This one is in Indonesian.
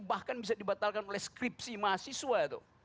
bahkan bisa dibatalkan oleh skripsi mahasiswa